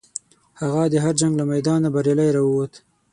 هغه د هر جنګ له میدانه بریالی راووت.